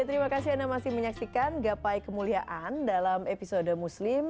terima kasih anda masih menyaksikan gapai kemuliaan dalam episode muslim